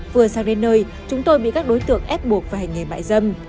vừa sang đến nơi chúng tôi bị các đối tượng ép buộc và hành nghề bại dâm